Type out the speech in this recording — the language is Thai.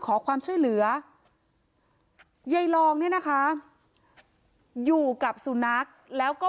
ขอความช่วยเหลือยายลองเนี่ยนะคะอยู่กับสุนัขแล้วก็